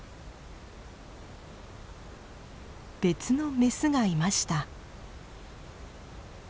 別のメスがいました。